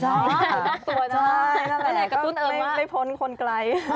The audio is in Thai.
ใช่นั่นแหละก็ไม่พ้นคนไกล